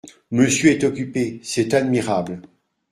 Monsieur est occupé ! c’est admirable !